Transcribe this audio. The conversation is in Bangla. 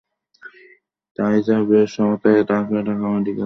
তাই র্যা বের সহায়তায় তাঁকে ঢাকা মেডিকেল কলেজ হাসপাতালে আনা হয়।